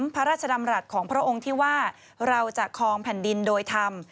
พระราชดำรัฐของพระองค์ที่ว่าเราจะคลองแผ่นดินโดยธรรม